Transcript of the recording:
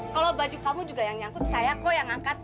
kalau baju kamu juga yang nyangkut saya kok yang angkat